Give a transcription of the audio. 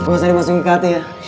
gue mau cari masukin ke kate ya